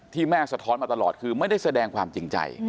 แม่สะท้อนมาตลอดคือไม่ได้แสดงความจริงใจ